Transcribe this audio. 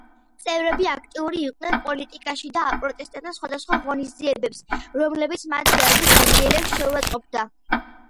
წევრები აქტიური იყვნენ პოლიტიკაში და აპროტესტებდნენ სხვადასხვა ღონისძიებებს, რომლებიც მათი აზრით აზიელებს „შეურაცხყოფდა“.